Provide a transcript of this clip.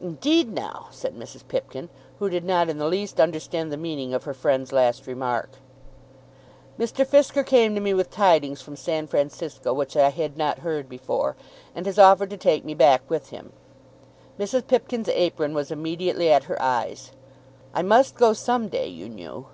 "Indeed now!" said Mrs. Pipkin, who did not in the least understand the meaning of her friend's last remark. "Mr. Fisker came to me with tidings from San Francisco which I had not heard before, and has offered to take me back with him." Mrs. Pipkin's apron was immediately at her eyes. "I must go some day, you know."